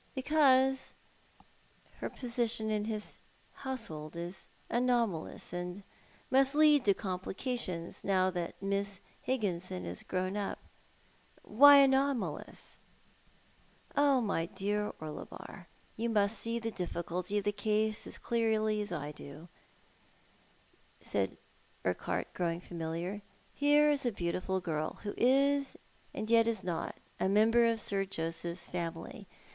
"Because her position in his household is anomalous, and must lead to complications, now that Miss Higginson is grown up." "Why anomalous?" 70 ThoiL art the Man. " Oh, my dear Orlebar, you must see the difficulty of the case quite as clearly as I do," said Urquhart, growing familiar. " Here is a beautiful girl who is and yet is not a member of Sir Joseph's family.